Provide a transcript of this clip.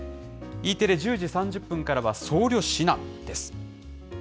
テレ１０時３０分からは僧侶指南です。